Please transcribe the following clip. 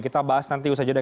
kita bahas nanti usah jodoh